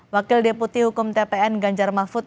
wakil deputi hukum tpn ganjar mahfud